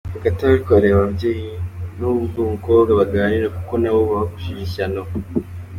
Hagati aho ariko areba n’ababyeyi b’uwo mukobwa baganire kuko nabo bagushije ishyano.